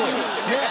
ねえ。